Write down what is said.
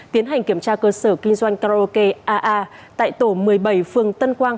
tiến hành kiểm tra cơ sở kinh doanh karaoke aa tại tổ một mươi bảy phường tân quang